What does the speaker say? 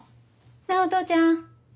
なあお父ちゃん。